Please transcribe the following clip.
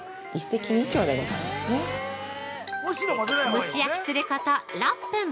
◆蒸し焼きすること６分。